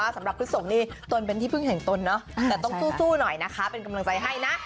สำหรับคุณสโมมิต้นเป็นพืงแห่งตนเนาะแต่ต้องสู้หน่อยเป็นกำลังใจให้นะ